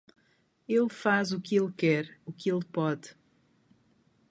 Ele faz o que ele quer, o que ele pode.